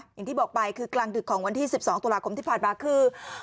อย่างที่บอกไปคือกลางดึกของวันที่๑๒ตุลาคมที่ผ่านมาคือ